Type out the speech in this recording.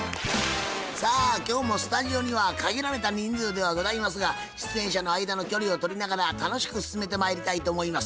さあ今日もスタジオには限られた人数ではございますが出演者の間の距離を取りながら楽しく進めてまいりたいと思います。